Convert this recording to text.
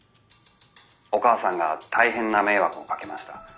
お母さんが大変な迷惑をかけました。